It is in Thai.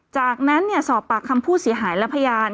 จากนั้นสอบปากคำผู้เสียหายและพยาน